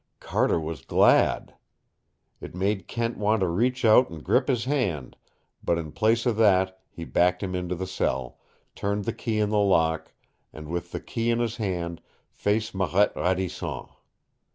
Carter was glad! It made Kent want to reach out and grip his hand, but in place of that he backed him into the cell, turned the key in the lock, and with the key in his hand faced Marette Radisson.